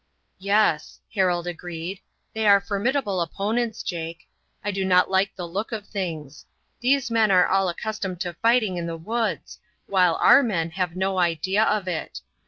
"Yes," Harold agreed, "they are formidable opponents, Jake. I do not like the look of things. These men are all accustomed to fighting in the woods, while our men have no idea of it.